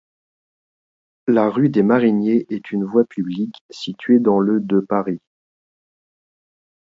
La rue des Mariniers est une voie publique située dans le de Paris.